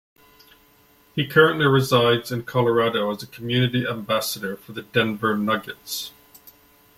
He currently resides in Colorado as a community ambassador for the Denver Nuggets.